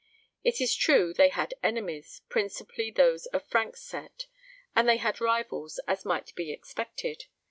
It is true they had enemies, principally those of Frank's set, and they had rivals, as might be expected.